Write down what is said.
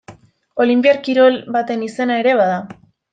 Olinpiar kirol baten izena ere bada.